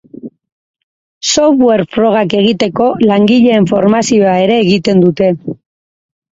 Software frogak egiteko langileen formazioa ere egiten dute.